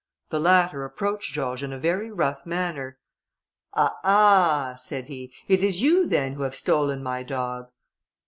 The latter approached George in a very rough manner. "Ah! ah!" said he, "it is you then who have stolen my dog?"